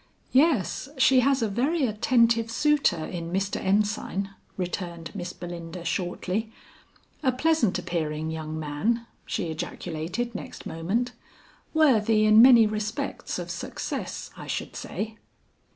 "Yes; she has a very attentive suitor in Mr. Ensign," returned Miss Belinda shortly. "A pleasant appearing young man," she ejaculated next moment; "worthy in many respects of success, I should say."